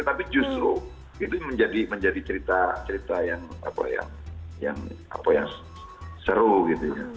tapi justru itu menjadi cerita cerita yang seru gitu ya